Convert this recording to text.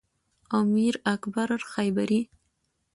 او میر اکبر خیبری